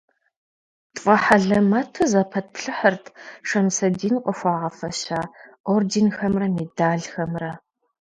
ТфӀэхьэлэмэту зэпэтплъыхьырт Шэмсэдин къыхуагъэфэща орденхэмрэ медалхэмрэ.